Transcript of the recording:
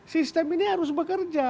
sistem ini harus bekerja